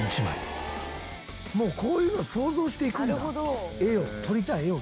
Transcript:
もうこういうのを想像して行くんだ。